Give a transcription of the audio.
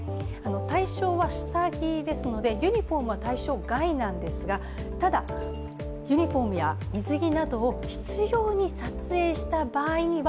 対象は下着ですので、ユニフォームは対象外なんですがただ、ユニフォームや水着などを執ように撮影した場合には、